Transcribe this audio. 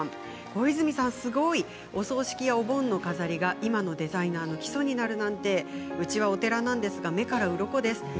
小泉さん、すごい。お葬式やお盆の飾りが今のデザイナーの基礎になるなんてうちはお寺なんですが目からうろこです。